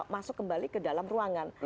masuk kembali ke dalam ruangan